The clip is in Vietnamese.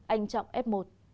anh chọc f một